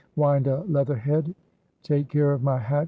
whined a leather head. Take care o' my hat!